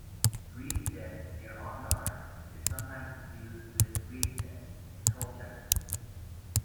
Greensted, near Ongar, is sometimes confused with Greenstead, in Colchester.